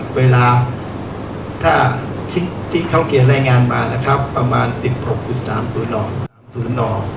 เวลาที่เขาเขียนรายงานมาประมาณ๑๖๓ศูนย์